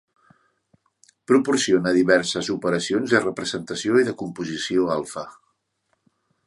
Proporciona diverses operacions de representació i de composició alfa.